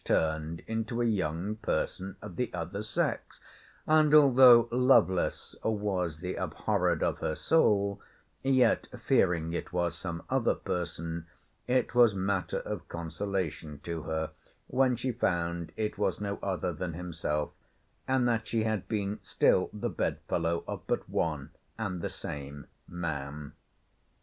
turned into a young person of the other sex; and although Lovelace was the abhorred of her soul, yet, fearing it was some other person, it was matter of consolation to her, when she found it was no other than himself, and that she had been still the bed fellow of but one and the same man.